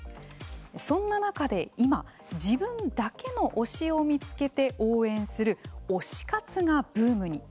そんな中で今、自分だけの推しを見つけて応援する推し活がブームに。